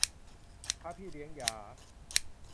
พระพี่เลี้ยงหยา